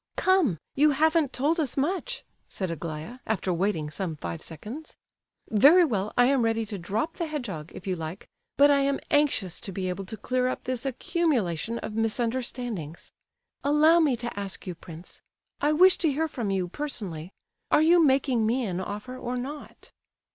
"Come—you haven't told us much!" said Aglaya, after waiting some five seconds. "Very well, I am ready to drop the hedgehog, if you like; but I am anxious to be able to clear up this accumulation of misunderstandings. Allow me to ask you, prince,—I wish to hear from you, personally—are you making me an offer, or not?"